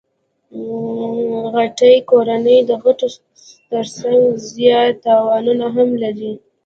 غټي کورنۍ د ګټو ترڅنګ زیات تاوانونه هم لري.